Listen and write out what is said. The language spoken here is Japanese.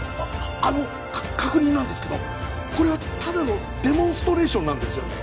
あの確認なんですけどこれはただのデモンストレーションなんですよね